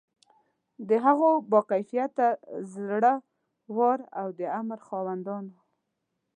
د هغو با کفایته، زړه ور او د امر خاوندانو.